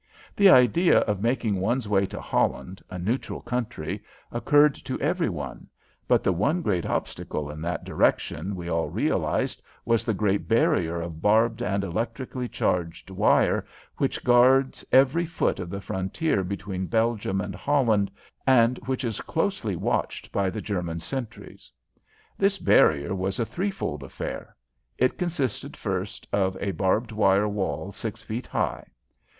The idea of making one's way to Holland, a neutral country, occurred to every one, but the one great obstacle in that direction, we all realized, was the great barrier of barbed and electrically charged wire which guards every foot of the frontier between Belgium and Holland and which is closely watched by the German sentries. This barrier was a threefold affair. It consisted first of a barbed wire wall six feet high.